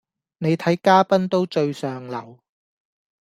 你睇嘉賓都最上流